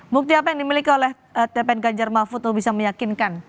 bukti apa yang dimiliki oleh tpnk jermanfut bisa meyakinkan